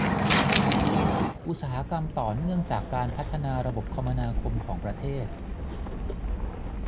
อาทิอุตสาหกรรมต่อเนื่องจากการพัฒนาระบบคมนาคมของประเทศ